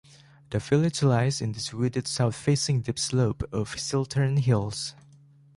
The village lies in the wooded south facing dip slope of the Chiltern Hills.